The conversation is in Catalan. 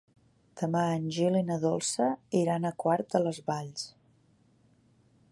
Demà en Gil i na Dolça iran a Quart de les Valls.